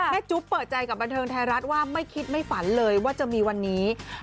จุ๊บเปิดใจกับบันเทิงไทยรัฐว่าไม่คิดไม่ฝันเลยว่าจะมีวันนี้